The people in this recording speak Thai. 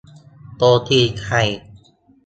โจมตีใคร